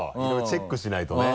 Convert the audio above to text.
チェックしないとね。